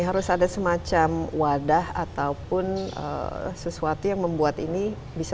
harus ada semacam wadah ataupun sesuatu yang membuat ini bisa